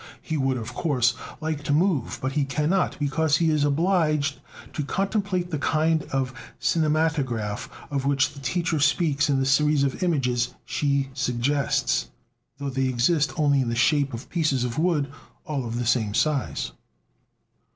He would, of course, like to move, but he cannot, because he is obliged to contemplate the kind of cinematograph of which the teacher speaks in the series of images she suggests, though they exist only in the shape of pieces of wood all of the same size.